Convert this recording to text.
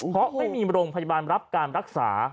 เพราะไม่มีโรงพยาบาลรับการรักษา